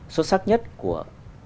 xuất sắc nhất của